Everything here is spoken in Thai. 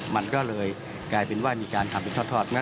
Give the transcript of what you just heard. มันก็เลยกลายเป็นว่ามีการทำเป็นทอด